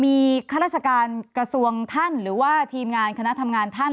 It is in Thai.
มีข้าราชการกระทรวงท่านหรือว่าทีมงานคณะทำงานท่าน